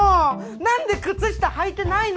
なんで靴下履いてないの？